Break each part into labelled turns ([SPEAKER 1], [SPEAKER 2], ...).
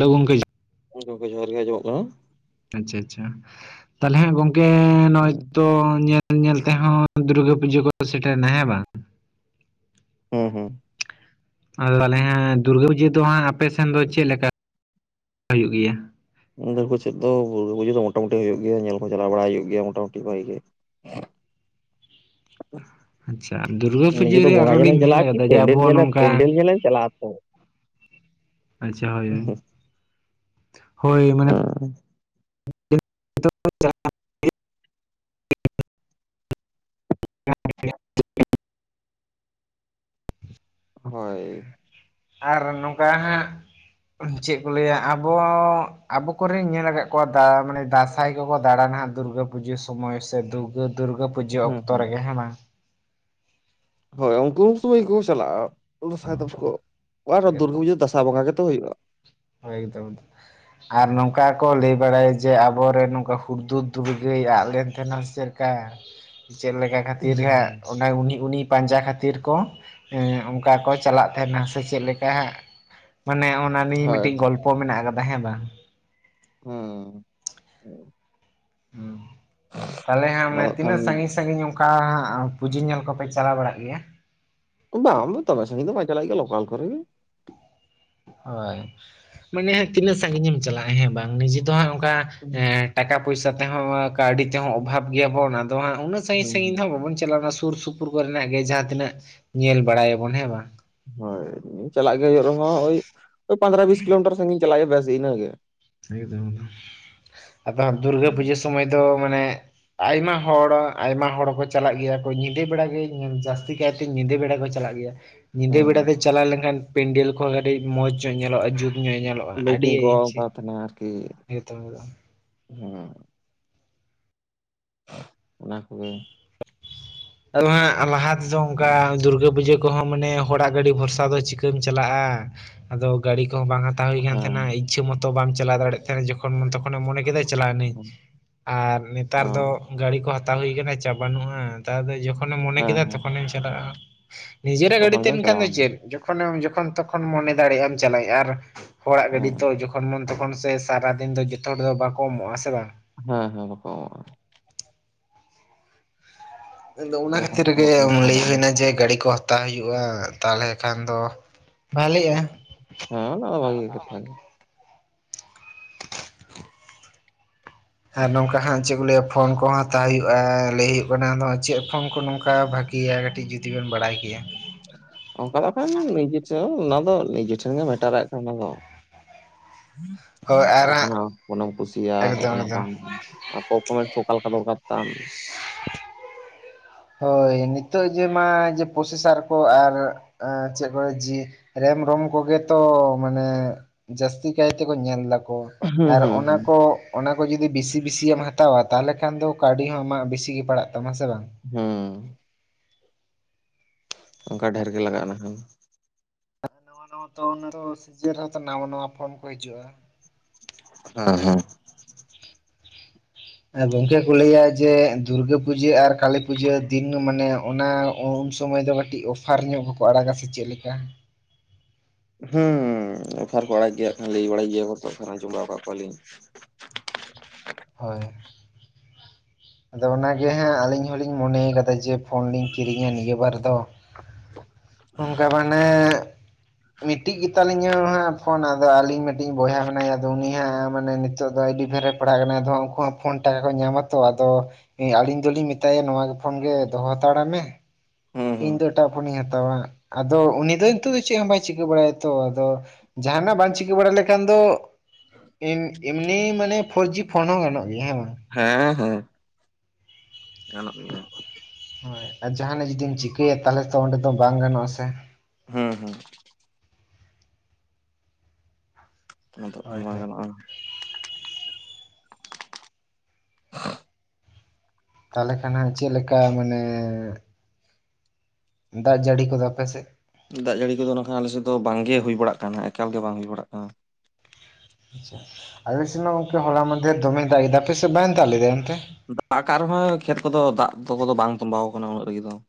[SPEAKER 1] ᱞ ᱩᱢ ᱠᱷᱟᱹᱭᱡ [unintelligible]
[SPEAKER 2] ᱜ ᱜᱚᱝᱠᱮ ᱡᱚᱦᱟᱨ ᱜᱮ ᱟᱸᱡᱚᱢᱚᱜ ᱠᱟᱱᱟ
[SPEAKER 1] ᱟᱪᱪᱷᱟ ᱟᱪᱪᱷᱟ ᱛᱟᱦᱚᱞᱮ ᱜᱚᱝᱠᱮ ᱱᱚᱜᱼᱚᱭ ᱛᱚ ᱧᱮᱞ ᱧᱮᱞ ᱛᱮᱦᱚᱸ ᱫᱩᱨᱜᱟᱹ ᱯᱩᱡᱟᱹ ᱠᱚ ᱥᱮᱴᱮᱱᱟ ᱦᱮᱸ ᱵᱟᱝ
[SPEAKER 2] ᱦᱮᱸ ᱦᱮᱸ ᱾
[SPEAKER 1] ᱟᱫᱚ ᱛᱟᱦᱮ ᱦᱮᱸ ᱫᱩᱨᱜᱟᱹ ᱯᱩᱡᱟᱹ ᱫᱚ ᱦᱟᱸᱜ ᱟᱯᱮ ᱥᱮᱱ ᱫᱚ ᱪᱮᱫ ᱞᱮᱠᱟ ᱦᱩᱭᱩᱜ ᱜᱮᱭᱟ [unintelligible]
[SPEAKER 2] ᱩᱱᱟᱹᱲ ᱠᱚ ᱪᱮᱫ ᱫᱚ ᱵᱷᱩᱨᱟᱹ ᱯᱩᱡᱟᱹ ᱫᱚ ᱢᱚᱴᱟᱢᱩᱴᱤ ᱦ ᱦᱩᱭᱩᱜ ᱜᱮᱭᱟ ᱧᱮᱞ ᱦᱚᱸ ᱪᱟᱞᱟᱣ ᱵᱟᱲᱟᱟᱭ ᱦᱩᱭᱩᱜ ᱜᱮᱭᱟ ᱢᱳᱚᱴᱟᱢᱩᱴᱤ ᱵᱷᱟᱜᱤ ᱜᱮ [unintelligible]
[SPEAKER 1] ᱟᱪᱪᱷᱟ ᱫᱩᱨᱜᱟᱹ
[SPEAKER 2] ᱱᱤᱡᱮ
[SPEAKER 1] ᱯᱩᱡᱟᱹ
[SPEAKER 2] ᱫᱚ
[SPEAKER 1] ᱨᱮ
[SPEAKER 2] ᱵᱚᱸᱜᱟ
[SPEAKER 1] ᱟᱨᱚ ᱞᱤᱧ
[SPEAKER 2] ᱧᱮᱞᱮᱢ
[SPEAKER 1] ᱧᱮᱞ
[SPEAKER 2] ᱪᱟᱞᱟᱜᱼᱟ ᱠᱤ
[SPEAKER 1] ᱟᱠᱟᱫᱟ ᱡᱮ ᱟᱵᱚ
[SPEAKER 2] ᱯᱮᱱᱰᱮᱞ ᱧᱮᱞᱮᱢ
[SPEAKER 1] ᱱᱚᱝᱠᱟ
[SPEAKER 2] ᱯᱮᱱᱰᱮᱞ ᱧᱮᱞᱮᱢ ᱪᱟᱞᱟᱜᱼᱟ᱾ ᱦᱳ ᱾
[SPEAKER 1] ᱟᱪᱪᱷᱟ ᱦᱳᱭ ᱢᱟᱱᱮ
[SPEAKER 2] ᱦᱳᱭ
[SPEAKER 1] ᱟᱨ ᱱᱚᱝᱠᱟ ᱱᱟᱸᱜ ᱪᱮᱫ ᱠᱚ ᱞᱟᱹᱭᱟ ᱟᱵᱚ ᱟᱵᱚ ᱠᱚᱨᱮᱧ ᱧᱮᱞ ᱟᱠᱟᱫ ᱠᱚᱣᱟ ᱢᱟᱱᱮ ᱫᱟᱥ ᱡᱚᱛᱷᱚ ᱠᱚᱠᱚ ᱫᱟᱬᱟᱱᱟ ᱦᱟᱸᱜ ᱫᱩᱨᱜᱟᱹ ᱯᱩᱡᱟᱹ ᱥᱚᱢᱚᱭ ᱥᱮ ᱫᱩᱨᱜᱟᱹ ᱫᱩᱨᱜᱟᱹ ᱯᱩᱡᱟᱹ ᱚᱠᱛᱚ ᱨᱮᱜᱮ ᱦᱮᱸ ᱵᱟᱝ
[SPEAKER 2] ᱦᱳᱭ ᱩᱱᱠᱩ ᱩᱱ ᱥᱩᱢᱟᱹᱭ ᱠᱚ ᱪᱟᱞᱟᱜᱼᱟ ᱫᱟᱸᱥᱟᱭ ᱛᱟᱠᱚ ᱫᱩᱨᱜᱟᱹ ᱯᱩᱡᱟᱹ ᱫᱚ ᱫᱟᱸᱥᱟᱭ ᱵᱚᱸᱜᱟ ᱜᱮᱛᱚ ᱦᱩᱭᱩᱜᱼᱟ [unintelligible]
[SPEAKER 1] ᱦᱛ ᱫᱚ ᱾ ᱟᱨ ᱱᱚᱝᱠᱟ ᱠᱚ ᱞᱟᱹᱭ ᱵᱟᱲᱟᱭᱟ ᱡᱮ ᱟᱵᱚᱨᱮᱱ ᱱᱚᱝᱠᱟ ᱦᱩᱲᱼᱫᱩᱩᱨ ᱫᱩᱨᱜᱟᱹᱭ ᱞᱮᱴ ᱟᱱᱟᱢ ᱥᱮ ᱾ ᱪᱮᱫ ᱞᱮᱠᱟ ᱠᱷᱟᱹᱛᱤᱨ ᱦᱟᱸ ᱚᱱᱟ ᱩᱱᱤ ᱩᱱᱤ ᱯᱟᱸᱡᱟ ᱠᱷᱟᱹᱛᱤᱨ ᱠᱚ ᱚᱱᱠᱟ ᱠᱚ ᱪᱟᱞᱟᱜ ᱛᱟᱦᱮᱱᱟ ᱥᱮ ᱪᱮᱫ ᱞᱮᱠᱟ ᱦᱟᱜ ᱢᱟᱱᱮ ᱚᱱᱟ ᱱᱤᱭ
[SPEAKER 2] ᱦᱳᱭ
[SPEAKER 1] ᱯᱚ ᱢᱮᱱᱟᱜ ᱟᱠᱟᱫᱟ ᱦᱮᱸ ᱵᱟᱝ
[SPEAKER 2] ᱦᱮᱸ
[SPEAKER 1] ᱦ ᱛᱟᱦᱚᱞᱮ ᱦᱟᱜ ᱡᱟᱱᱮ
[SPEAKER 2] ᱟᱫᱚ ᱠᱷᱟᱱ
[SPEAKER 1] ᱛᱤᱱᱟᱹᱜ ᱥᱟᱺᱜᱤᱧ ᱥᱟᱺᱟᱹᱜᱤᱧ ᱚᱱᱠᱟ ᱯᱩᱡᱟᱹ ᱧᱮᱞ ᱠᱚᱯᱮ ᱪᱟᱞᱟᱣ ᱵᱟᱲᱟᱜ ᱜᱮᱭᱟ ᱾
[SPEAKER 2] ᱵᱟᱝ ᱫᱚᱢᱮ ᱥᱟᱺᱜᱤ ᱫᱚ ᱵᱟᱝ ᱪᱟᱞᱟᱜ ᱦᱩᱭᱩᱜ - ᱟ ᱞᱳᱠᱟᱞ ᱠᱚᱨᱮ ᱜᱮ
[SPEAKER 1] ᱦᱳᱭ ᱢᱟᱱᱮ ᱦᱜ ᱛᱤᱱᱟᱹᱜ ᱥᱟᱺᱜᱤᱧᱮ ᱮᱢ ᱪᱟᱞᱟᱜᱼᱟ ᱦᱮᱸ ᱵᱟᱝ ᱱᱤᱡᱮ ᱫᱚ ᱦᱟᱸᱜ ᱚᱱᱠᱟ
[SPEAKER 2] ᱦᱩᱸ
[SPEAKER 1] ᱴᱟᱠᱟ ᱯᱚᱭᱥᱟ ᱛᱮᱦᱚᱸ ᱠᱟᱹᱣᱰᱤ ᱛᱮᱦᱚᱸ ᱚᱵᱷᱟᱵ ᱜᱮᱭᱟᱵᱚᱱ ᱟᱫᱚ ᱦᱜ ᱩᱱᱟᱹᱜ ᱥᱟᱺᱜᱤᱧ ᱥᱟᱺᱜᱤᱧ ᱫᱚ
[SPEAKER 2] ᱦᱩᱸ
[SPEAKER 1] ᱦᱟᱜᱸ ᱵᱟᱵᱚᱱ ᱪᱟᱞᱟᱣᱱᱟ ᱥᱩᱨ ᱥᱩᱯᱩᱨ ᱠᱚᱨᱮᱱᱟᱜ ᱜᱮ ᱡᱟᱦᱟᱸ ᱛᱤᱱᱟᱹᱜ ᱧᱮᱞ ᱵᱟᱲᱟᱭᱟᱵᱚᱱ ᱦᱮᱸ ᱵᱟᱝ?
[SPEAKER 2] ᱦᱳᱭ ᱪᱟᱞᱟᱜ ᱜᱮ ᱦᱩᱭᱩᱜ ᱨᱮᱦᱚᱸ ᱳᱭ ᱳᱭ ᱯᱚᱱᱫᱽᱨᱚ ᱵᱤᱥ ᱠᱤᱞᱳᱢᱤᱴᱟᱨ ᱥᱟᱺᱜᱤᱧ ᱪᱟᱞᱟᱜ ᱜᱮ ᱵᱮᱥ ᱤᱱᱟᱹᱜᱮ
[SPEAKER 1] ᱮᱫᱚᱢ ᱟᱫᱚ ᱫᱩᱨᱜᱟᱹ ᱯᱩᱡᱟᱹ ᱥᱚᱢᱚᱭ ᱫᱚ ᱢᱟᱱᱮ [unintelligible] ᱟᱭᱢᱟ ᱦᱚᱲ ᱟᱭᱢᱟ ᱦᱚᱲᱠᱚ ᱪᱟᱞᱟᱜ ᱜᱮᱭᱟ ᱠᱚ ᱧᱤᱫᱟᱹ ᱵᱮᱲᱟ ᱜᱮ ᱡᱟᱹᱥᱛᱤ ᱪᱤᱠᱮᱛᱮ ᱧᱤᱫᱟᱹ ᱵᱮᱲᱟ ᱠᱚ ᱪᱟᱞᱟᱜ ᱜᱮᱭᱟ ᱾ ᱧᱤᱫᱟᱹ ᱵᱮᱲᱟ
[SPEAKER 2] ᱦᱮᱸ
[SPEAKER 1] ᱛᱮ ᱪᱟᱞᱟᱣ ᱞᱮᱱᱠᱷᱟᱱ ᱯᱮᱱᱰᱮᱞ ᱠᱚᱦᱚᱸ ᱠᱟᱹᱴᱤᱡ ᱢᱚᱸᱡᱽ ᱧᱚᱜ ᱧᱮᱞᱚᱜᱼᱟ ᱡᱩᱛ ᱧᱚᱜ ᱧᱮᱞᱚᱜᱼᱟ ᱾
[SPEAKER 2] ᱞᱟᱤᱴᱤᱝ ᱜᱚᱜ ᱛᱟᱦᱮᱱᱟ ᱟᱨᱠᱤ [inaudible]
[SPEAKER 1] ᱦᱮᱸᱛᱚ
[SPEAKER 2] ᱦᱮᱸ [unintelligible] ᱚᱱᱟ ᱠᱚᱜᱮ ᱾
[SPEAKER 1] ᱟᱫᱚ ᱦᱟᱸᱜ ᱞᱟᱦᱟ ᱛᱮᱫᱚ
[SPEAKER 2] ᱦᱮᱸ
[SPEAKER 1] ᱚᱱᱠᱟ ᱫᱩᱨᱜᱟᱹ ᱯᱩᱡᱟᱹ ᱾ ᱠᱚᱦᱚᱸ ᱢᱟᱱᱮ ᱦᱚᱲᱟᱜ ᱜᱟᱹᱰᱤ ᱵᱷᱚᱨᱥᱟ ᱫᱚ ᱪᱤᱠᱟᱹᱢ ᱪᱟᱞᱟᱜᱼᱟ ᱟᱫᱚ ᱜᱟᱹᱰᱤ ᱠᱚᱦᱚᱸ ᱵᱟᱝ ᱾ ᱦᱟᱛᱟᱣ ᱦᱩᱭ ᱠᱟᱱ
[SPEAKER 2] ᱦᱮᱸ
[SPEAKER 1] ᱛᱟᱦᱮᱱᱟ ᱤᱪᱪᱷᱟᱹ ᱢᱚᱛᱚ ᱵᱟ ᱪᱟᱞᱟᱣ ᱫᱟᱲᱮᱭᱟᱜ ᱛᱟᱦᱮᱱᱟ ᱡᱚᱠᱷᱚᱱ ᱢᱚᱱᱮ ᱠᱮᱫᱟ ᱪᱟᱞᱟᱣᱱᱟᱹᱧ
[SPEAKER 2] ᱦᱮᱸ
[SPEAKER 1] ᱾ ᱟᱨ
[SPEAKER 2] ᱚ
[SPEAKER 1] ᱱᱮᱛᱟᱨ ᱫᱚ ᱜᱟᱰᱤ ᱠᱚ ᱦᱟᱛᱟᱣ ᱦᱩᱭ ᱟᱠᱟᱱᱟ ᱪᱟᱯ ᱵᱟᱹᱱᱩᱜᱼᱟ ᱱᱮᱛᱟᱨ ᱫᱚ ᱡᱚᱠᱷᱚᱱ ᱡᱚᱠᱷᱚᱱ ᱮᱢ ᱢᱚᱱᱮ
[SPEAKER 2] ᱦᱮᱸ
[SPEAKER 1] ᱠᱮᱫᱟ
[SPEAKER 2] ᱦᱮᱸ
[SPEAKER 1] ᱛᱚᱠᱷᱚᱱᱮᱧ ᱪᱟᱞᱟᱜᱼᱟ ᱱᱤᱡᱮᱨᱟᱜ ᱜᱟᱹᱰᱤ
[SPEAKER 2] ᱛᱚᱠᱷᱚᱱ
[SPEAKER 1] ᱛᱮᱦᱮ
[SPEAKER 2] ᱜᱮᱢ
[SPEAKER 1] ᱞᱮᱱᱠᱷᱟᱱ
[SPEAKER 2] ᱪᱟᱞᱟᱣ
[SPEAKER 1] ᱫᱚ ᱪᱮᱫ ᱡᱚᱠᱷᱚᱱᱮᱢ ᱡᱚᱠᱷᱚᱱ ᱛᱚᱠᱷᱚᱱ ᱢᱚᱱᱮ ᱫᱟᱲᱮᱭᱟᱜᱼᱟᱢ ᱪᱟᱞᱟᱜ ᱟᱨ ᱦᱚᱲᱟᱜ
[SPEAKER 2] ᱮᱱᱟ
[SPEAKER 1] ᱜᱟᱹᱰᱤ ᱛᱚ ᱡᱚᱠᱷᱚᱱ ᱛᱚᱠᱷᱚᱱ ᱥᱮ ᱾ ᱥᱟᱨᱟᱫᱤᱱ ᱫᱚ ᱡᱚᱛᱚ ᱦᱚᱲ ᱫᱚ ᱵᱟᱠᱚ ᱮᱢᱚᱜ-ᱟ ᱥᱮ ᱵᱟᱝ ᱾
[SPEAKER 2] ᱦᱮᱸ ᱦᱮᱸ ᱾
[SPEAKER 1] ᱟᱫᱚ ᱚᱱᱟ
[SPEAKER 2] ᱡᱚᱠᱷᱚᱱ
[SPEAKER 1] ᱠᱷᱟᱹᱛᱤᱨ
[SPEAKER 2] ᱛᱚᱠᱷᱚᱱ
[SPEAKER 1] ᱜᱮ
[SPEAKER 2] ᱵᱟᱠᱚ
[SPEAKER 1] ᱞᱟᱹᱭ
[SPEAKER 2] ᱠᱚᱢᱚᱜᱼᱟ
[SPEAKER 1] ᱦᱩᱭᱱᱟ ᱡᱮ ᱜᱟᱹᱰᱤ ᱠᱚ ᱦᱟᱛᱟᱣ ᱦᱩᱭᱩᱜᱼᱟ ᱛᱟᱦᱚᱞᱮ ᱠᱷᱟᱱ ᱫᱚ ᱾ ᱵᱷᱟᱞᱮᱜᱼᱟ ᱾
[SPEAKER 2] ᱦᱮᱸ ᱟ ᱵᱷᱟᱹᱜᱮᱮ [unintelligible]
[SPEAKER 1] ᱟᱨ ᱱᱚᱝᱠᱟ ᱦᱟᱸᱜ ᱪᱮᱫ ᱠᱚ ᱞᱟᱹᱭᱟ ᱯᱷᱳᱱ ᱠᱚ ᱦᱟᱛᱟᱣ ᱦᱩᱭᱩᱜᱼᱟ ᱞᱟᱹᱭ ᱦᱩᱭᱩᱜ ᱠᱟᱱᱟ ᱪᱮᱫ ᱯᱷᱳᱱ ᱠᱚ ᱱᱚᱝᱠᱟ ᱵᱷᱟᱜᱮᱤᱭᱟ ᱾ ᱠᱟᱹᱴᱤᱡ ᱡᱩᱫᱤ ᱵᱮᱱ ᱵᱟᱲᱟᱭ ᱠᱮᱭᱟ [unintelligible]
[SPEAKER 2] ᱚᱱᱠᱟ ᱫᱚ ᱠᱷᱟᱱ ᱱᱤᱡᱮ ᱴᱷᱮᱱ ᱚᱱᱟ ᱫᱚ ᱱᱤᱡᱮ ᱴᱷᱮᱱ ᱜᱮ ᱢᱮᱴᱟᱨᱟᱭ ᱠᱟᱱ ᱚᱱᱟ ᱫᱚ [unintelligible] [unintelligible]
[SPEAKER 1] ᱦᱳᱭ ᱟᱨ ᱦᱟᱸᱜ
[SPEAKER 2] ᱠᱟᱞᱮᱱᱟᱜ ᱯᱷᱳᱱ ᱮᱢ ᱠᱩᱥᱤᱭᱟᱜ
[SPEAKER 1] ᱮᱠᱫᱚᱢ
[SPEAKER 2] ᱦᱟᱛᱟᱣ
[SPEAKER 1] ᱮᱠᱫᱚᱢ
[SPEAKER 2] ᱢᱮ [inaudible] [unintelligible]
[SPEAKER 1] ᱦᱳᱭ ᱱᱤᱛᱚᱜ ᱡᱮ ᱢᱟ ᱡᱮ ᱯᱨᱚᱥᱮᱥᱟᱨ ᱠᱚ ᱟᱨ ᱮᱸ ᱪᱮᱜ ᱠᱚ ᱡᱤ ᱨᱮᱢ ᱨᱚᱢ ᱠᱚᱜᱮ ᱛᱚ ᱢᱟᱱᱮ ᱡᱟᱹᱥᱛᱤ ᱠᱟᱭ ᱛᱮᱠᱚ ᱧᱮᱞ ᱫᱟ ᱠᱚ ᱾ ᱚ
[SPEAKER 2] ᱦᱩᱸ
[SPEAKER 1] ᱟᱨ
[SPEAKER 2] ᱦᱩᱸ
[SPEAKER 1] ᱚᱱᱟ
[SPEAKER 2] ᱦᱩᱸ
[SPEAKER 1] ᱠᱚ ᱾ ᱚᱱᱟ ᱠᱚ ᱡᱩᱫᱤ ᱵᱤᱥᱤ ᱵᱤᱥᱤ ᱮᱢ ᱦᱟᱛᱟᱣᱼᱟ ᱛᱟᱦᱚᱞᱮ ᱠᱷᱟᱱ ᱫᱚ ᱠᱟᱹᱣᱰᱤ ᱦᱚᱸ ᱟᱢᱟᱜ ᱵᱤᱥᱤ ᱜᱮ ᱯᱟᱲᱟᱜ ᱛᱟᱢᱟ ᱥᱮ ᱵᱟᱝ?
[SPEAKER 2] ᱦᱩᱸ ᱾ ᱚᱱᱠᱟ ᱰᱷᱮᱨ ᱜᱮ ᱞᱟᱜᱟᱼᱟ ᱱᱟᱠᱷᱟᱱ ᱾
[SPEAKER 1] ᱱᱟᱣᱟ ᱱᱟᱣᱟ ᱛᱚ ᱨᱮᱦᱚᱸ ᱱᱟᱣᱟ ᱱᱟᱣᱟ ᱯᱷᱳᱱ ᱠᱚ ᱦᱤᱡᱩᱜᱼᱟ ᱾
[SPEAKER 2] ᱦᱮᱸ ᱦᱮᱸ ᱾
[SPEAKER 1] ᱜᱚᱝᱠᱮ ᱠᱚ ᱞᱟᱹᱭᱟ ᱡᱮ ᱫᱩᱨᱜᱟᱹ ᱯᱩᱡᱟᱹ ᱟᱨ ᱠᱟᱞᱤ ᱯᱩᱡᱟᱹ ᱫᱤᱱ ᱢᱟᱱᱮ ᱚᱱᱟ ᱩᱱ ᱥᱚᱢᱚᱭ ᱫᱚ ᱠᱟᱹᱴᱤᱡ ᱚᱯᱷᱟᱨ ᱧᱚᱜ ᱜᱮᱠᱚ ᱟᱲᱟᱜᱟ ᱥᱮ ᱪᱮᱫ ᱞᱮᱠᱟ ᱾
[SPEAKER 2] ᱦᱮᱸ ᱚᱯᱷᱟᱨ ᱠᱚ ᱟᱲᱟᱜ ᱜᱮᱭᱟ ᱠᱚ ᱞᱟᱹᱭ ᱵᱟᱲᱟᱭ ᱜᱮᱭᱟ ᱠᱚ ᱟᱡᱚᱢ ᱵᱟᱲᱟ ᱟᱠᱟᱫ ᱠᱚᱣᱟᱞᱤᱧ᱾
[SPEAKER 1] ᱦᱳᱭ ᱾ ᱟᱫᱚ ᱚᱱᱟᱜᱮ ᱦᱟᱸᱜ ᱟᱹᱞᱤᱧ ᱦᱚᱞᱤᱧ ᱢᱚᱱᱮ ᱠᱟᱫᱟ ᱡᱮ ᱯᱷᱳᱱ ᱞᱤᱧ ᱠᱤᱨᱤᱧᱟ ᱱᱤᱭᱟᱹ ᱵᱟᱨ ᱫᱚ ᱾ ᱚᱝᱠᱟ ᱢᱟᱱᱮ ᱢᱤᱫᱴᱤᱡ ᱜᱮᱛᱟᱞᱤᱧᱟᱹ ᱦᱟᱸᱜ ᱯᱷᱳᱱ ᱟᱫᱚ ᱟᱹᱞᱤᱧ ᱢᱤᱫᱴᱤᱡ ᱵᱚᱭᱦᱟ ᱢᱮᱱᱟᱭᱟ ᱟᱫᱚ ᱩᱱᱤ ᱦᱟᱸᱜ ᱢᱟᱱᱮ ᱱᱤ ᱱᱤᱛᱚᱜ ᱫᱚ ᱟᱹᱰᱤ ᱰᱷᱮᱨ ᱨᱮ ᱯᱟᱲᱦᱟᱜ ᱠᱟᱱᱟ ᱟᱫᱚ ᱩᱱᱠᱩ ᱦᱚᱸ ᱯᱷᱳᱱ ᱴᱟᱠᱟ ᱠᱚ ᱧᱟᱢᱟ ᱛᱚ ᱾ ᱟᱫᱚ ᱮ ᱟᱞᱤᱧ ᱫᱚᱞᱤᱧ ᱢᱮᱛᱟᱭᱟ ᱱᱚᱣᱟ ᱯᱷᱳᱱ ᱜᱮ ᱫᱚᱦᱚ ᱦᱟᱛᱟᱲ ᱢᱮ ᱾
[SPEAKER 2] ᱦᱩᱸ ᱦᱩᱸ
[SPEAKER 1] ᱤᱧ ᱫᱚ ᱮᱴᱟᱜ ᱯᱷᱳᱱᱤᱧ ᱦᱟᱛᱟᱣᱼᱟ, ᱟᱫᱚ ᱩᱱᱤ ᱫᱚ ᱱᱤᱛᱚᱜ ᱫᱚ ᱪᱮᱜ ᱦᱚᱸ ᱵᱟᱭ ᱪᱤᱠᱟᱹ ᱵᱟᱲᱟᱭᱟ ᱛᱚ, ᱟᱫᱚ ᱡᱟᱦᱟᱱᱟᱜ ᱵᱟᱝ ᱪᱤᱠᱟᱹ ᱵᱟᱲᱟ ᱞᱮᱠᱷᱟᱱ ᱫᱚ ᱾ ᱤᱱ-ᱮᱢᱱᱤ ᱢᱟᱱᱮ ᱯᱷᱳᱨ ᱡᱤ ᱯᱷᱳᱱ ᱦᱚᱸ ᱜᱟᱱᱚᱜ ᱜᱮᱭᱟ ᱦᱮᱸ ᱵᱟᱝ?
[SPEAKER 2] ᱦᱮᱸ ᱦᱮᱸ ᱾ ᱜᱟᱱᱚᱜ ᱜᱮᱭᱟ ᱾
[SPEAKER 1] ᱦᱳᱭ ᱟ ᱡᱟᱦᱟᱱᱟᱜ ᱡᱩᱫᱤᱢ ᱪᱤᱠᱟᱹᱭᱟ ᱛᱟᱦᱚᱞᱮ ᱛᱚ ᱚᱸᱰᱮ ᱫᱚ ᱵᱟᱝ ᱜᱟᱱᱚᱜᱼᱟ ᱥᱮ?
[SPEAKER 2] ᱦᱩᱸ ᱦᱩᱸ ᱟᱫᱚ ᱠᱷᱟᱱ ᱵᱟᱝ
[SPEAKER 1] ᱦᱳᱭ-ᱦᱳᱭ ᱾
[SPEAKER 2] ᱜᱟᱱᱚᱜᱼᱟ
[SPEAKER 1] ᱛᱟᱞᱚᱦᱮ ᱠᱷᱟᱱ ᱦᱟᱸᱜ ᱪᱮᱜ ᱞᱮᱠᱟ ᱢᱟᱱᱮ, ᱫᱟᱜ ᱡᱟᱹᱲᱤ ᱠᱚᱫᱚ ᱟᱯᱮ ᱥᱮᱜ?
[SPEAKER 2] ᱫᱟᱜ ᱡᱟᱹᱲᱤ ᱠᱚᱫᱚ ᱱᱟᱠᱷᱟᱱ ᱟᱞᱮ ᱥᱮᱫ ᱫᱚ ᱵᱟᱝ ᱜᱮ ᱦᱩᱭ ᱵᱟᱲᱟᱜ ᱠᱟᱱᱟ ᱮᱠᱟᱞ ᱜᱮ ᱵᱟᱝ ᱦᱩᱭ ᱵᱟᱲᱟᱜ ᱠᱟᱱᱟ ᱾
[SPEAKER 1] ᱟᱪᱪᱷᱟ, ᱟᱞᱮᱥᱮᱢᱟ ᱚᱝᱠᱮ ᱦᱚᱞᱟ ᱢᱟᱫᱷᱮᱨ ᱫᱚᱢᱮ ᱫᱟᱜ ᱠᱮᱫᱟ ᱟᱯᱮ ᱥᱮᱜ ᱵᱟᱝ ᱫᱟᱜ ᱞᱮᱫᱟᱭ ᱮᱱᱛᱮ?
[SPEAKER 2] ᱫᱟᱜ ᱟᱠᱟᱜ ᱨᱮᱦᱚᱸᱭ ᱠᱷᱮᱛ ᱠᱚᱫᱚ ᱫᱟᱜ ᱛᱚ-ᱠᱚᱫᱚ ᱵᱟᱝ ᱛᱚᱸᱵᱟᱣ ᱟᱠᱟᱱᱟ ᱩᱱᱟᱹᱜ ᱨᱮᱜᱮ ᱫᱚ ᱾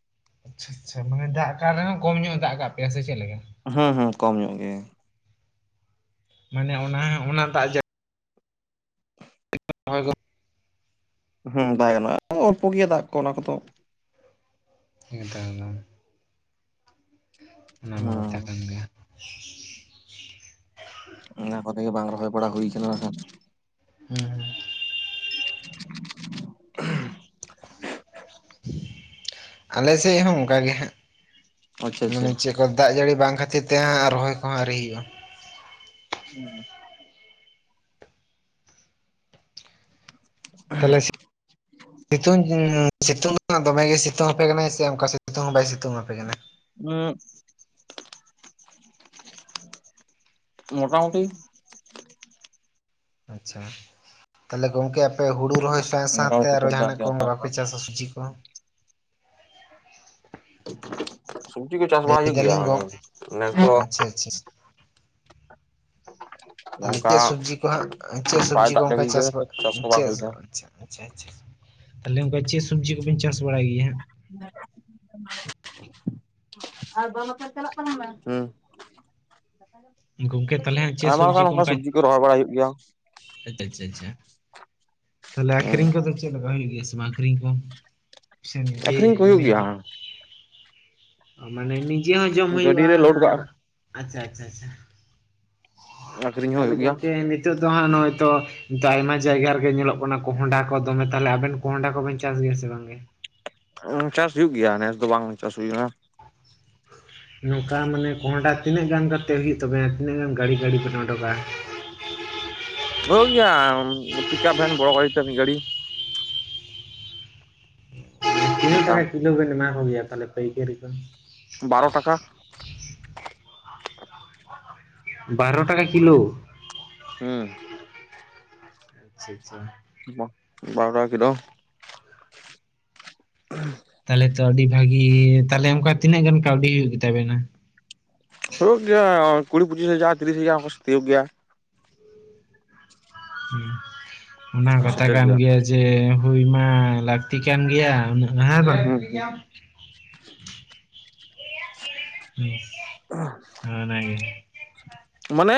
[SPEAKER 1] ᱟᱪᱪᱷᱟ ᱟᱪᱪᱷᱟ ᱢᱟᱱᱮ ᱫᱟᱜ ᱠᱟᱜ ᱨᱮᱦᱚᱸ ᱠᱚᱢ ᱧᱚᱜ ᱮ ᱫᱟᱜ ᱠᱟᱜ ᱯᱮᱭᱟ ᱥᱮ ᱪᱮᱜ ᱞᱮᱠᱟ?
[SPEAKER 2] ᱦᱚᱸ-ᱦᱚᱸ ᱠᱚᱢ ᱧᱚᱜ ᱜᱮ ᱾
[SPEAKER 1] ᱢᱟᱱᱮ ᱚᱱᱟ ᱦᱟ ᱚᱱᱟ ᱫᱟᱜ [unintelligible]
[SPEAKER 2] ᱦᱮᱸ ᱵᱟᱭ ᱜᱟᱱᱚᱜᱼᱟ ᱚᱞᱯᱚ ᱜᱮᱭᱟ ᱫᱟᱜ ᱠᱚ ᱚᱱᱟ ᱠᱚᱫᱚ ᱾
[SPEAKER 1] ᱦᱮᱸ ᱛᱟᱦᱮᱸᱱᱟ ᱾ ᱚᱱᱟᱢᱟ ᱠᱟᱛᱷᱟ
[SPEAKER 2] ᱦᱩᱸ
[SPEAKER 1] ᱠᱟᱱ ᱜᱮᱭᱟ ᱾
[SPEAKER 2] ᱚᱱᱟ ᱠᱚᱛᱮ ᱵᱟᱝ ᱨᱚᱦᱚᱭ ᱵᱚᱲᱟ ᱦᱩᱭ ᱠᱟᱱᱟ ᱠᱷᱟᱱ
[SPEAKER 1] ᱦᱩᱸ-ᱦᱩᱸ ᱾ ᱟᱞᱮ ᱥᱮᱜ ᱦᱚᱸ ᱚᱱᱠᱟ ᱜᱮ ᱦᱟᱸᱜ,
[SPEAKER 2] ᱟᱪᱪᱷᱟ ᱟᱪᱪᱷᱟ
[SPEAKER 1] ᱢᱟᱱᱮ ᱪᱮᱫ ᱫᱟᱜ ᱡᱟᱹᱲᱤ ᱵᱟᱝ ᱠᱷᱟᱹᱛᱤᱨ ᱛᱮ ᱦᱟᱸᱜ ᱟᱨ ᱨᱚᱦᱚᱭ ᱠᱚᱦᱚᱸ ᱟᱹᱣᱨᱤ ᱦᱩᱭᱩᱜᱼᱟ ᱾
[SPEAKER 2] ᱦᱩᱸ ᱾
[SPEAKER 1] [unintelligible] ᱥᱤᱛᱩᱝ ᱫᱚ ᱦᱟᱸᱜ ᱫᱚᱢᱮᱜ ᱜᱮ ᱥᱤᱛᱩᱝ ᱟᱯᱮ ᱠᱟᱱᱟᱭ ᱥᱮ ᱚᱱᱠᱟ ᱥᱤᱛᱩᱝ ᱦᱚᱸ ᱵᱟᱭ ᱥᱤᱛᱩᱝ ᱟᱯᱮ ᱠᱟᱱᱟ?
[SPEAKER 2] ᱩᱸᱜ, ᱢᱳᱴᱟᱢᱩᱴᱤ ᱾
[SPEAKER 1] ᱟᱪᱪᱷᱟ, ᱛᱟᱦᱞᱮ ᱜᱚᱝᱠᱮ ᱟᱯᱮ ᱦᱩᱲᱩ ᱨᱚᱦᱚᱭ ᱥᱟᱶ ᱥᱟᱶᱛᱮ
[SPEAKER 2] ᱢᱚᱴᱟᱢᱩᱴᱤ
[SPEAKER 1] ᱟᱨᱚ
[SPEAKER 2] ᱥᱤᱛᱩᱝ ᱠᱟᱱ
[SPEAKER 1] ᱡᱟᱦᱟᱱᱟᱜ ᱠᱚ
[SPEAKER 2] ᱜᱮᱭᱟ
[SPEAKER 1] ᱵᱟᱯᱮ ᱪᱟᱥᱟ ᱥᱩᱡᱤ ᱠᱚ?
[SPEAKER 2] ᱥᱩᱵᱡᱤ ᱠᱚ ᱪᱟᱥ ᱵᱟᱲᱟᱭ ᱦᱩᱭᱩᱜ ᱜᱮᱭᱟ ᱾ ᱱᱮᱥ ᱫᱚ
[SPEAKER 1] ᱪᱷᱟ ᱟᱪᱷᱟ ᱾
[SPEAKER 2] [inaudible]
[SPEAKER 1] ᱛᱟᱦᱚᱞᱮ
[SPEAKER 2] ᱱᱚᱝᱠᱟ
[SPEAKER 1] ᱪᱮᱫ ᱥᱚᱵᱽᱡᱤ ᱠᱚ ᱦᱟᱸᱜ ᱪᱮᱫ
[SPEAKER 2] ᱵᱟᱭ ᱫᱟᱜ ᱫᱟᱲᱤᱭ ᱠᱟᱫᱟ ᱛᱚ ᱪᱟᱥ ᱠᱚ ᱵᱟᱝ ᱦᱩᱭ ᱠᱟᱱᱟ ᱾
[SPEAKER 1] ᱟᱪᱪᱷᱟ-ᱟᱪᱪᱷᱟ-ᱟᱪᱷᱟ ᱾ ᱛᱟᱦᱞᱮ ᱚᱱᱠᱟ ᱪᱮ ᱥᱚᱵᱽᱡᱤ ᱠᱚᱵᱤᱱ ᱪᱟᱥ ᱵᱟᱲᱟᱭ ᱜᱮᱭᱟ ᱦᱟᱸ ᱾
[SPEAKER 2] [unintelligible] [unintelligible]
[SPEAKER 1] ᱜᱚᱢᱠᱮ ᱛᱟᱦᱚᱞᱮ ᱦᱟᱜ ᱪᱮᱫ ᱥᱚᱵᱽᱡᱤ ᱠᱚ ᱚᱱᱠᱟ
[SPEAKER 2] ᱨᱚᱦᱚᱭ ᱵᱟᱲᱟ ᱦᱩᱭᱩᱜ ᱜᱮᱭᱟ
[SPEAKER 1] ᱟᱪᱪᱷᱟ ᱟᱪᱪᱷᱟ ᱟᱪᱪᱷᱟ ᱛᱟᱦᱞᱮ ᱟᱠᱷᱨᱤᱧ ᱠᱚᱫᱚ ᱪᱮᱫ ᱞᱮᱠᱟ ᱦᱩᱭᱩᱜ ᱜᱮᱭᱟ ᱥᱮ ᱵᱟᱝ ᱟᱠᱷᱨᱤᱧ ᱠᱚ
[SPEAKER 2] ᱟᱠᱷᱨᱤᱧ ᱠᱚ ᱦᱩᱭᱩᱜ ᱜᱮᱭᱟ
[SPEAKER 1] [unintelligible] ᱤᱭᱟᱹ ᱦᱚᱸ ᱡᱚᱢ
[SPEAKER 2] ᱜᱟᱹᱰᱤ
[SPEAKER 1] ᱦᱩᱭᱩᱜᱼᱟ
[SPEAKER 2] ᱨᱮ ᱞᱳᱰ
[SPEAKER 1] ᱟᱨ
[SPEAKER 2] ᱠᱟᱜᱼᱟ
[SPEAKER 1] ᱟᱪᱪᱷᱟ-ᱟᱪᱪᱷ-ᱟᱪᱷᱟ ᱾
[SPEAKER 2] ᱟᱠᱷᱨᱤᱧ ᱦᱚᱸ
[SPEAKER 1] ᱛᱟᱦᱚᱞᱮ
[SPEAKER 2] ᱦᱩᱭᱩᱜ ᱜᱮᱭᱟ
[SPEAKER 1] ᱜᱚᱝᱠᱮ ᱱᱤᱛᱚᱜ ᱫᱚ ᱦᱟᱸᱜ ᱱᱚᱜᱼᱚᱭ ᱛᱚ ᱱᱤᱛ ᱟᱭᱢᱟ ᱡᱟᱭᱜᱟ ᱨᱮᱜᱮ ᱧᱮᱞᱚᱜ ᱠᱟᱱᱟ ᱠᱚᱸᱦᱚᱸᱰᱟ ᱠᱚ ᱫᱚᱢᱮ ᱛᱟᱦᱚᱞᱮ ᱟᱵᱮᱱ ᱠᱚᱸᱦᱚᱸᱰᱟ ᱠᱚᱵᱮᱱ ᱪᱟᱥ ᱜᱮᱭᱟ ᱥᱮ ᱵᱟᱝᱜᱮ?
[SPEAKER 2] ᱩᱢ ᱪᱟᱥ ᱦᱩᱭᱩᱜ ᱜᱮᱭᱟ ᱱᱮᱥ ᱫᱚ ᱵᱟᱝ ᱪᱟᱥ ᱦᱩᱭ ᱠᱟᱱᱟ ᱾
[SPEAKER 1] ᱱᱚᱝᱠᱟ ᱢᱟᱱᱮ ᱠᱚᱸᱦᱚᱸᱰᱟ ᱛᱤᱱᱟᱹᱜ ᱜᱟᱱ ᱠᱟᱛᱮᱜ ᱦᱩᱭᱩᱜ ᱛᱟᱵᱮᱱᱟ ᱛᱤᱱᱟᱹᱜ ᱜᱟᱱ ᱜᱟᱹᱲᱤ ᱜᱟᱹᱲᱤ ᱵᱮᱱ ᱚᱰᱩᱠᱼᱟ ᱾
[SPEAKER 2] ᱦᱳᱜ ᱜᱮᱭᱟ ᱯᱤᱠᱟᱯ ᱵᱷᱮᱱ ᱵᱚᱲᱚ ᱜᱟᱰᱤ ᱛᱮ ᱢᱤᱫ ᱜᱟᱹᱰᱤ
[SPEAKER 1] ᱛᱤᱱᱹᱜ ᱴᱟᱠᱟ
[SPEAKER 2] ᱚᱱᱠᱟ
[SPEAKER 1] ᱠᱤᱞᱳ ᱵᱮᱱ ᱮᱢᱟ ᱠᱚᱜᱮᱭᱟ ᱛᱟᱦᱚᱞᱮ ᱯᱟᱹᱭᱠᱟᱹᱨᱤ ᱠᱚ
[SPEAKER 2] ᱵᱟᱨᱚ ᱴᱟᱠᱟ
[SPEAKER 1] ᱵᱟᱨᱚ ᱴᱟᱠᱟ ᱠᱤᱞᱳ
[SPEAKER 2] ᱦᱮᱸ
[SPEAKER 1] ᱟᱪᱪᱷᱟ ᱟᱪᱪᱷᱟ
[SPEAKER 2] ᱵᱟᱨ ᱴᱟᱠᱟ ᱠᱤᱞᱳ
[SPEAKER 1] ᱛᱟᱦᱚᱞᱮ ᱛᱚ ᱟᱹᱰᱤ ᱵᱷᱟᱜᱤ ᱛᱟᱦᱚᱞᱮ ᱚᱱᱠᱟ ᱛᱤᱱᱟᱹᱜ ᱜᱟᱱ ᱠᱟᱹᱣᱰᱤ ᱦᱩᱭᱩᱜ ᱜᱮᱛᱟᱵᱮᱱᱟ?
[SPEAKER 2] ᱦᱩᱭᱩᱜ ᱜᱮᱭᱟ ᱠᱩᱲᱤ ᱯᱚᱸᱪᱤᱥ ᱦᱟᱡᱟᱨ ᱛᱤᱨᱤᱥ ᱦᱟᱡᱟᱨ ᱛᱤᱭᱚᱜ ᱜᱮᱭᱟᱭ
[SPEAKER 1] ᱚᱱᱟ ᱠᱟᱛᱷᱟ ᱠᱟᱱ ᱜᱮᱭᱟ ᱡᱮ ᱦᱩᱭ ᱢᱟ ᱞᱟᱹᱠᱛᱤ ᱠᱟᱱ ᱜᱮᱭᱟ ᱩᱱᱟᱹᱜ
[SPEAKER 2] ᱦᱩᱸ ᱦᱩᱸ
[SPEAKER 1] [unintelligible] ᱦᱩᱸ ᱚᱱᱟ ᱜᱮ
[SPEAKER 2] ᱢᱟᱱᱮ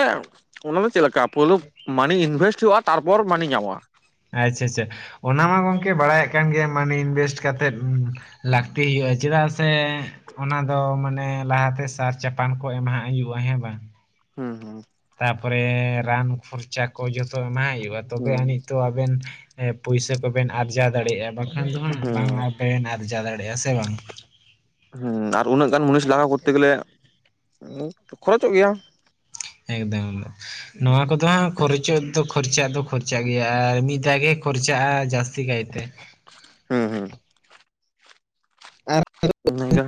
[SPEAKER 2] ᱚᱱᱟ ᱫᱚ ᱪᱮᱫ ᱞᱮᱠᱟ ᱯᱩᱭᱞᱩ ᱢᱟᱱᱤ ᱤᱱᱵᱷᱮᱥᱴ ᱦᱩᱭᱩᱜᱼᱟ ᱛᱟᱨᱯᱚᱨ ᱢᱟᱱᱤ ᱧᱟᱢᱚᱜᱼᱟ
[SPEAKER 1] ᱟᱪᱪᱷᱟ ᱟᱪᱪᱷᱟ ᱚᱱᱟ ᱢᱟ ᱜᱚᱝᱠᱮ ᱵᱟᱲᱟᱭᱮᱫ ᱠᱟᱱ ᱜᱮ ᱢᱟᱱᱮ ᱤᱱᱵᱷᱮᱥᱴ ᱠᱟᱛᱮᱜ ᱞᱟᱹᱠᱛᱤ ᱦᱩᱭᱩᱜᱼᱟ ᱪᱮᱫᱟᱜ ᱥᱮ ᱚᱱᱟ ᱫᱚ ᱢᱟᱱᱮ ᱞᱟᱦᱟᱛᱮ ᱥᱟᱨ ᱪᱟᱯᱟᱱ ᱠᱚ ᱮᱢᱟᱦᱟᱜ ᱦᱩᱭᱩᱜᱼᱟ ᱦᱮᱸ ᱵᱟᱝ
[SPEAKER 2] ᱦᱩᱸ ᱦᱩᱸ
[SPEAKER 1] ᱛᱟᱨᱯᱚᱨᱮ ᱨᱟᱱ ᱠᱷᱚᱨᱪᱟ ᱠᱚ ᱡᱚᱛᱚ ᱮᱢᱟᱜ ᱦᱩᱭᱩᱜᱼᱟ ᱛᱚᱵᱮ
[SPEAKER 2] ᱦᱩᱸ
[SPEAKER 1] ᱟᱹᱱᱤᱡ ᱛᱚ ᱟᱵᱮᱱ ᱮ ᱯᱩᱭᱥᱟᱹ ᱠᱚᱵᱮᱱ ᱟᱨᱡᱟᱣ ᱫᱟᱲᱮᱭᱟᱜᱼᱟ ᱵᱟᱝᱠᱷᱟᱱ ᱫᱚ ᱦᱟᱸᱜ ᱵᱟᱝ
[SPEAKER 2] ᱦᱩᱸ
[SPEAKER 1] ᱟᱵᱮᱱ ᱟᱨᱡᱟᱣ ᱫᱟᱲᱮᱭᱟᱜᱼᱟ ᱥᱮ ᱵᱟᱝ
[SPEAKER 2] ᱦᱮᱸ ᱟᱨ ᱩᱱᱟᱹᱜ ᱜᱟᱱ ᱢᱩᱱᱤᱥ ᱞᱟᱜᱟᱣ ᱠᱚᱨᱛᱮ ᱜᱮᱞᱮ ᱠᱷᱚᱨᱚᱪᱚᱜ ᱜᱮᱭᱟ᱾
[SPEAKER 1] ᱮᱠᱫᱚᱢ ᱮᱠᱫᱚᱢ ᱱᱚᱣᱟ ᱠᱚᱫᱚ ᱦᱟᱸᱜ ᱠᱷᱚᱨᱪᱚᱜ ᱫᱚ ᱠᱷᱚᱨᱪᱟᱜ ᱫᱚ ᱠᱷᱚᱨᱪᱟᱜ ᱜᱮᱭᱟ ᱟᱨ ᱢᱤᱫ ᱫᱷᱟᱣ ᱜᱮ ᱠᱷᱚᱨᱪᱟᱜᱼᱟ ᱡᱟᱹᱥᱛᱤ ᱪᱤᱠᱟᱭ ᱮᱛᱮ
[SPEAKER 2] ᱦᱮᱸ ᱦᱮᱸ
[SPEAKER 1] ᱟᱨ
[SPEAKER 2] ᱤᱱᱟ. ᱜᱮ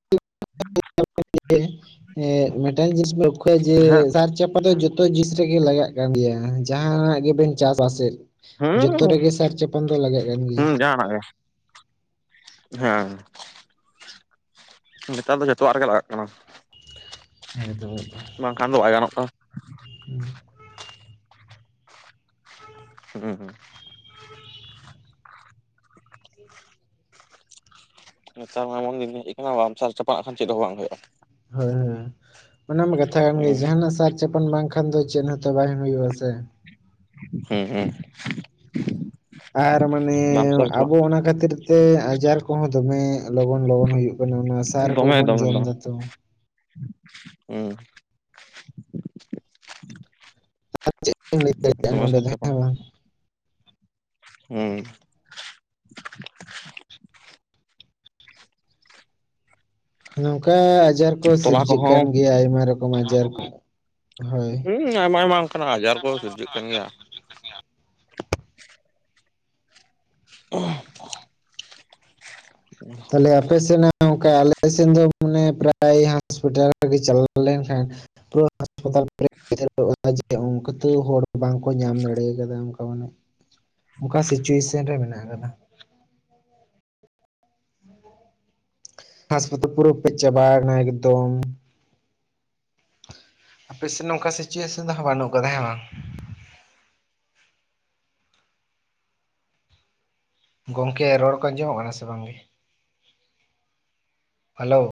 [SPEAKER 1] [unintelligible] ᱢᱤᱫᱴᱟᱝ ᱡᱤᱱᱤᱥ ᱞᱚᱠᱠᱷᱚ ᱡᱮ
[SPEAKER 2] ᱦᱮᱸ
[SPEAKER 1] ᱥᱟᱨ ᱪᱟᱯ ᱠᱷᱚᱫ ᱫᱚ ᱡᱚᱛᱚ ᱡᱤᱱ ᱨᱮᱜᱮ ᱞᱟᱜᱟᱜ ᱠᱟᱱ ᱜᱮᱭᱟ ᱡᱟᱦᱟᱱᱟᱜ ᱜᱮᱵᱮᱱ ᱪᱟᱥ ᱟᱥᱮᱫ
[SPEAKER 2] ᱦᱩᱸ
[SPEAKER 1] ᱡᱚᱛᱚ ᱨᱮᱜᱮ ᱥᱟᱨ ᱪᱟᱯᱟᱱ ᱫᱚ ᱞᱟᱜᱟᱜ ᱠᱟᱱ ᱜᱮᱭᱟ
[SPEAKER 2] ᱦᱩᱸ ᱡᱟᱦᱟᱱᱟᱜ ᱜᱮ ᱦᱮᱸ ᱱᱮᱛᱟᱨ ᱫᱚ ᱡᱚᱛᱚᱣᱟᱜ ᱨᱮᱜᱮ ᱞᱟᱜᱟᱜ ᱠᱟᱱᱟ
[SPEAKER 1] ᱮᱠᱫᱚᱢ
[SPEAKER 2] ᱵᱟᱝᱠᱷᱟᱱ ᱫᱚ ᱵᱟᱭ ᱜᱟᱱᱚᱜ ᱠᱟᱱᱟ ᱦᱩᱸ ᱦᱩᱸ ᱱᱮᱛᱟᱨ ᱢᱟ ᱮᱢᱚᱱ ᱫᱤᱱ ᱦᱮᱡ ᱟᱠᱟᱱᱟ ᱵᱟᱢ ᱥᱟᱨ ᱪᱟᱯᱟᱱᱟᱜ ᱠᱷᱟᱱ ᱪᱮᱫ ᱦᱚᱸ ᱵᱟᱝ ᱦᱩᱭᱩᱜᱼᱟ
[SPEAKER 1] ᱦᱳᱭ ᱦᱳ ᱚᱱᱟᱢᱟ ᱠᱟᱛᱷᱟ ᱠᱟᱱ ᱜᱮ
[SPEAKER 2] ᱦᱩᱸ
[SPEAKER 1] ᱡᱟᱦᱟᱱᱟᱜ ᱥᱟᱨ ᱪᱟᱯᱟᱱ ᱵᱟᱝᱠᱷᱟᱱ ᱫᱚ ᱪᱮᱫ ᱦᱚᱸᱛᱚ ᱵᱟᱝ ᱦᱩᱭᱩᱜᱼᱟ ᱥᱮ
[SPEAKER 2] ᱦᱮᱸ ᱦᱮᱸ
[SPEAKER 1] ᱟᱨ ᱢᱟᱱᱮ
[SPEAKER 2] ᱥᱟᱨ ᱪᱟᱯᱟᱜ
[SPEAKER 1] ᱟᱵᱚ ᱚᱱᱟ ᱠᱷᱟᱹᱛᱤᱨ ᱛᱮ ᱟᱡᱟᱨ ᱠᱚᱦᱚᱸ ᱫᱚᱢᱮ ᱞᱚᱜᱚᱱ ᱞᱚᱜᱚᱱ ᱦᱩᱭᱩᱜ ᱠᱟᱱᱟ ᱚᱱᱟ ᱥᱟᱨ ᱠᱚᱵᱚᱱ ᱡᱚᱢ ᱫᱟ ᱛᱚ
[SPEAKER 2] ᱦᱮᱸ
[SPEAKER 1] [unintelligible] ᱱᱚᱰᱮ ᱫᱚ ᱦᱮᱸ ᱵᱟᱝ
[SPEAKER 2] ᱦᱩᱸ
[SPEAKER 1] ᱱᱚᱝᱠᱟ ᱟᱡᱟᱨ ᱠᱚ
[SPEAKER 2] ᱛᱚᱞᱟ
[SPEAKER 1] ᱥᱤᱨᱡᱟᱹᱜ ᱠᱟᱱ
[SPEAKER 2] ᱠᱚᱦᱚᱸ
[SPEAKER 1] ᱜᱮᱭᱟ ᱟᱭᱢᱟ ᱨᱚᱠᱚᱢ ᱟᱡᱟᱨ ᱠᱚ ᱦᱳᱭ
[SPEAKER 2] ᱦᱩᱸ ᱟᱭᱢᱟ ᱟᱭᱢᱟ ᱠᱚ ᱟᱡᱟᱨ ᱠᱚ ᱥᱤᱨᱡᱟᱹᱜ ᱠᱟᱱ ᱜᱮᱭᱟ ᱚ
[SPEAKER 1] ᱛᱟᱦᱚᱞᱮ ᱟᱯᱮ ᱥᱮᱱᱟᱜ ᱱᱚᱝᱠᱟ ᱟᱞᱮ ᱥᱮᱱ ᱫᱚ ᱢᱟᱱᱮ ᱯᱨᱟᱭ ᱦᱚᱥᱯᱤᱴᱟᱞ ᱨᱮᱜᱮ ᱪᱟᱞᱟᱣ ᱞᱮᱱᱠᱷᱟᱱ ᱯᱩᱨᱟᱹ ᱦᱟᱥᱯᱟᱛᱟᱞ ᱯᱮᱨᱮᱡᱚᱜ ᱠᱟᱱᱟ ᱡᱮ ᱚᱱᱠᱟ ᱛᱟᱣ ᱦᱚᱲ ᱵᱟᱝᱠᱚ ᱧᱟᱢ ᱫᱟᱲᱮ ᱠᱟᱫᱟ ᱚᱱᱠᱟ ᱢᱟᱱᱮ ᱚᱠᱟ [unintelligible] ᱨᱮ ᱢᱮᱱᱟᱜ ᱟᱠᱟᱫᱟ ᱦᱟᱥᱯᱟᱛᱟᱞ ᱯᱩᱨᱟᱹ ᱯᱮᱨᱮᱡᱽ ᱪᱟᱵᱟᱭᱱᱟ ᱮᱠᱫᱚᱢ ᱟᱯᱮ ᱥᱮᱫ ᱱᱚᱝᱠᱟ ᱥᱤᱪᱩᱭᱮᱥᱚᱱ ᱦᱚᱸ ᱵᱟᱹᱱᱩᱜ ᱠᱟᱫᱟ ᱦᱮᱸ ᱵᱟᱝ ᱜᱚᱝᱠᱮ ᱨᱚᱲ ᱠᱚ ᱟᱸᱡᱚᱢᱚᱜ ᱠᱟᱱᱟ ᱥᱮ ᱵᱟᱝᱜᱮ ᱦᱮᱞᱳ